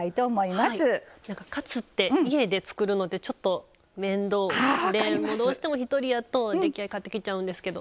カツって家で作るのってちょっと面倒でどうしても一人やと出来合い買ってきちゃうんですけど。